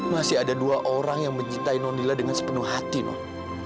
masih ada dua orang yang mencintai nondila dengan sepenuh hati noh